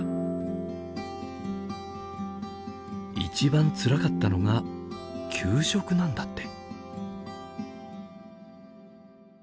一番つらかったのが給食なんだって。